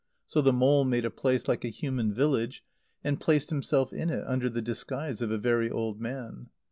So the mole made a place like a human village, and placed himself in it under the disguise of a very old man.